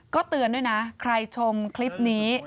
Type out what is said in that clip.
ก็เตือนด้วยนะใครชมคลิปนี้